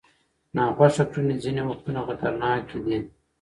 ناخوښه کړنې ځینې وختونه خطرناک دي.